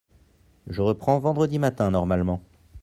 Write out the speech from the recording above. Je reprends vendredi matin normalement.